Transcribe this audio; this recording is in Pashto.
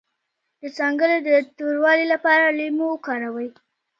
د څنګلو د توروالي لپاره لیمو وکاروئ